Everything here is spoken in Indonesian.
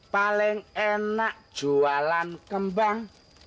paling enak jualan kembang